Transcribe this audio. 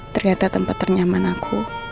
ternyata tempat ternyaman aku